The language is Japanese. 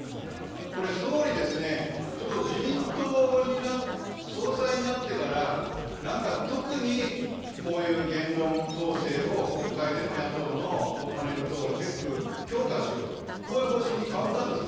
これ総理ですね、ちょっと自民党に、総裁になってから、なんか特にこういう言論統制を国会でも野党のパネル等をチェック強化しようと、こういう方針に変わったんですか。